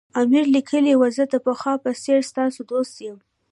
امیر لیکلي وو زه د پخوا په څېر ستاسو دوست یم.